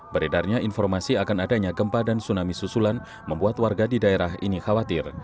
beredarnya informasi akan adanya gempa dan tsunami susulan membuat warga di daerah ini khawatir